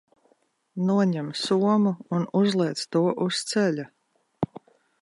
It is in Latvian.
Noņem somu un uzliec to uz ceļa.